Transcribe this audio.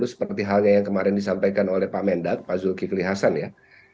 seperti halnya yang kemarin disampaikan oleh pak mendak pak zulkifli hasan ya